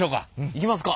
行きますか！